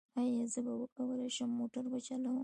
ایا زه به وکولی شم موټر وچلوم؟